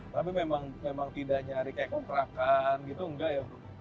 tapi memang tidak nyari kayak kontrakan gitu enggak ya